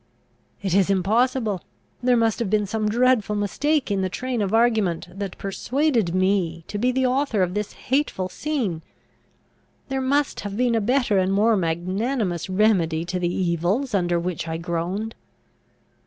It is impossible. There must have been some dreadful mistake in the train of argument that persuaded me to be the author of this hateful scene. There must have been a better and more magnanimous remedy to the evils under which I groaned."